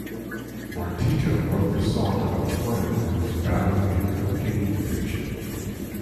Martika wrote the song about a friend who was battling a cocaine addiction.